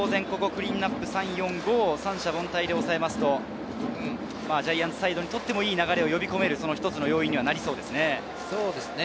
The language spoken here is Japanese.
クリーンナップ、３、４、５を三者凡退で抑えると、ジャイアンツサイドにとってもいい流れを呼び込める要因になりそうですね。